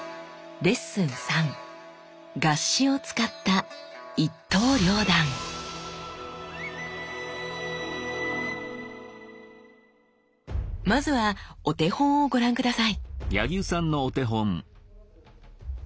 合撃を使ったまずはお手本をご覧下さい。